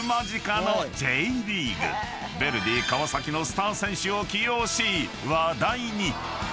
［ヴェルディ川崎のスター選手を起用し話題に］